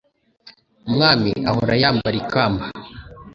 Umwami ahora yambara ikamba.